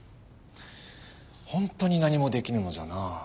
本当に何もできぬのじゃな。